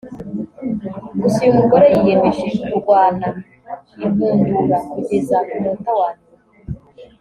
Gusa uyu mugore yiyemeje kurwana inkundura kugeza ku munota wa nyuma